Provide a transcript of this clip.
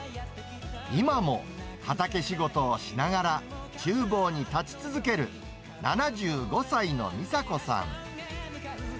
今も、畑仕事をしながら、ちゅう房に立ち続ける７５歳のみさ子さん。